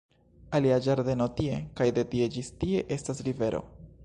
Alia ĝardeno tie, kaj de tie ĝis tie, estas rivero